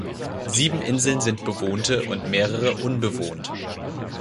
Sieben Inseln sind bewohnte und mehrere unbewohnt.